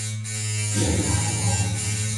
เสียงข้างน้อย